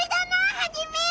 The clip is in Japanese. ハジメ！